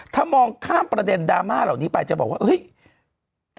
ถ้ามองข้ามประเด็นดราม่าเหล่านี้ไปจะบอกว่าเฮ้ย